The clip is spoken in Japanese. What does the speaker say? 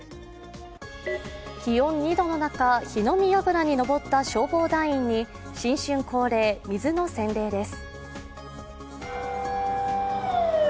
気温２度の中、火の見やぐらに上った消防団員に新春恒例、水の洗礼です。